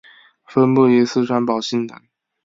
分布于四川宝兴等。